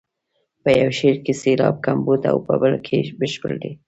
په یو شعر کې سېلاب کمبود او په بل کې بشپړ دی.